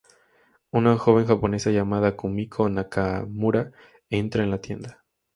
Una joven japonesa llamada Kumiko Nakamura entra en la tienda.